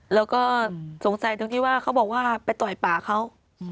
แล้วก็สงสัยตรงที่ว่าเขาบอกว่าไปต่อยป่าเขา